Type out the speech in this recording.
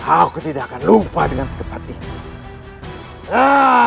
aku tidak akan lupa dengan tempat ini